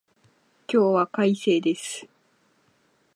今日は快晴です。